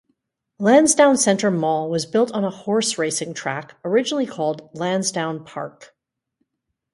Lansdowne Centre mall was built on a horse racing track originally called Lansdowne Park.